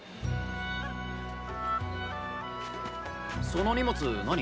その荷物何？